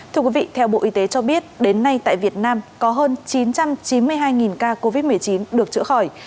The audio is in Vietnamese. thưa quý vị theo bộ y tế cho biết đến nay tại việt nam có hơn chín trăm chín mươi hai ca covid một mươi chín được chữa khỏi